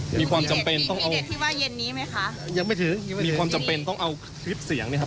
ที่เด็ดที่ว่าเย็นนี้ไหมคะยังไม่ถือยังไม่ถือมีความจำเป็นต้องเอาคลิปเสียงเนี้ยครับ